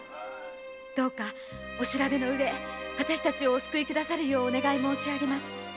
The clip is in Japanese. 「どうかお調べのうえ私たちをお救いくださるようお願い申しあげます。